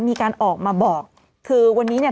มีการออกมาบอกคือวันนี้เนี่ย